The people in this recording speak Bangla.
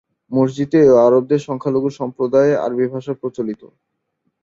মসজিদে ও আরবদের সংখ্যালঘু সম্প্রদায়ে আরবি ভাষা প্রচলিত।